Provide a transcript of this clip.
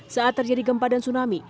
saat terjadi gempa dan tsunami